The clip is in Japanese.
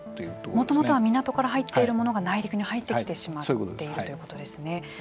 もともとは港から入っているものが内陸に入ってきてしまっているということですね。